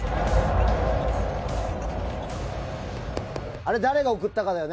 あれ誰が送ったかだよね。